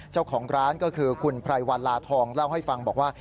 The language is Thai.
เจ้าของร้านก็คือคุณไพรวัลลาทองเล่าให้ฟังบอกว่า